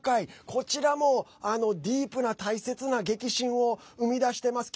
こちらもディープな大切な激震を生み出してます。